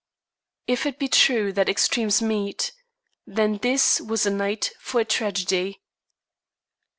If it be true that extremes meet, then this was a night for a tragedy.